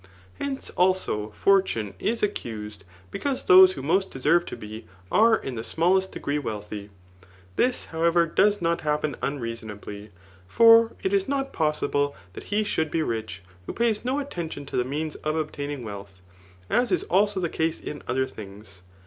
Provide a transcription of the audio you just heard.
Hence, also, fortune is accused, because those who most deserve to be, are in the smallest degree, wealthy. This, however, does not happen unreasonably; for it is not posdble that he should be rich, who pays no attention to the means of obtaining wealth ; as is also the case in other things.